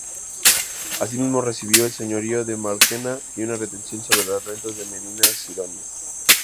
Asimismo recibió el señorío de Marchena y una retención sobre las rentas de Medina-Sidonia.